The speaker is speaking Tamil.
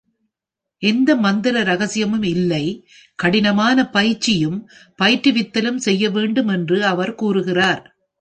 எந்த மந்திர ரகசியமும் இல்லை, கடினமான பயிற்சியும் பயிற்றுவித்தலும் செய்ய வேண்டும் என்று அவர் கூறுகிறார்.